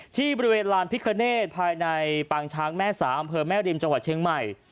ที่บริเวณลานพิคเนธภายในปางช้างแม่สาอำเภอแม่ริมจังหวัดเชียงใหม่